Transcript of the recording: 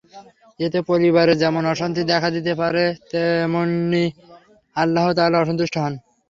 এতে পরিবারে যেমন অশান্তি দেখা দিতে পারে, তেমনি আল্লাহ তাআলাও অসন্তুষ্ট হন।